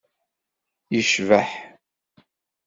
yecbeḥ.